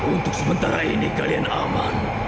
untuk sementara ini kalian aman